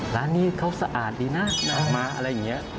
ร้านนี้เขาสะอาดดีนะหนักมาอะไรอย่างนี้